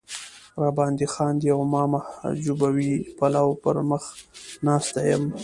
را باندې خاندي او ما محجوبوي پلو پر مخ ناسته یم.